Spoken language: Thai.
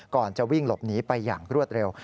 ก่อนจะวิ่งหลบหนีไปอย่างรวดเร็ว